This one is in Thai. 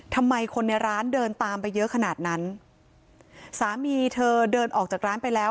ทำไมคนในร้านเดินตามไปเยอะขนาดนั้นสามีเธอเดินออกจากร้านไปแล้ว